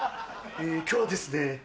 今日はですね